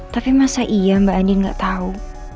tapi masa iya mbak andin gak tau